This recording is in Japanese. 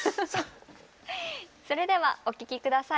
それではお聴き下さい。